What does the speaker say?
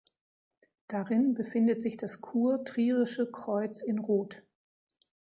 Darin befindet sich das kurtrierische Kreuz in Rot.